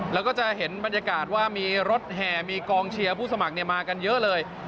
แล้วก็จะเห็นบรรยากาศว่ามีรถแห่มีกองเชียร์ผู้สมัครมากันเยอะเลย